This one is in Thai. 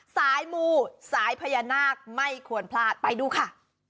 สายมูสายพญานาคไม่ควรพลาดไปดูค่ะ